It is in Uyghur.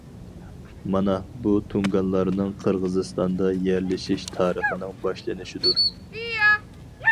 مانا بۇ تۇڭگانلارنىڭ قىرغىزىستاندا يەرلىشىش تارىخىنىڭ باشلىنىشىدۇر.